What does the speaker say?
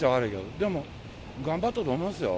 でも頑張ったと思いますよ。